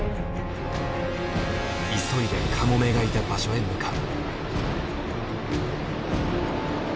急いでカモメがいた場所へ向かう。